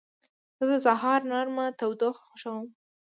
زه د سهار نرمه تودوخه خوښوم.